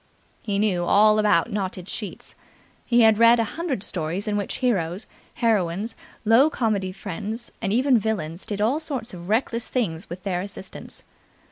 He knew all about knotted sheets. He had read a hundred stories in which heroes, heroines, low comedy friends and even villains did all sorts of reckless things with their assistance.